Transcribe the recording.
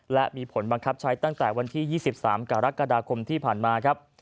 และมีผลบังคับใช้ตั้งแต่วันที่๒๓กรกฎาคมที่ผ่านมาครับ